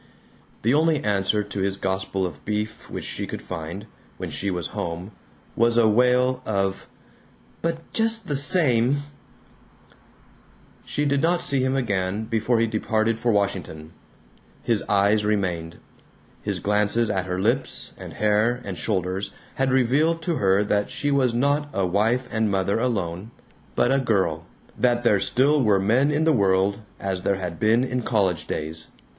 The only answer to his gospel of beef which she could find, when she was home, was a wail of "But just the same " She did not see him again before he departed for Washington. His eyes remained. His glances at her lips and hair and shoulders had revealed to her that she was not a wife and mother alone, but a girl; that there still were men in the world, as there had been in college days.